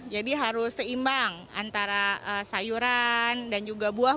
jadi harus seimbang antara sayuran dan juga buah buahan